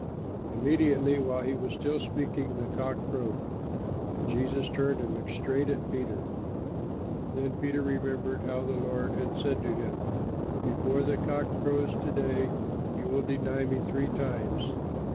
Immediately while he was still speaking, the cock crowed. And Jesus turned and looked straight at Peter. Then Peter remembered how the Lord had said to him, "Before the cock crows to day you will deny me three times."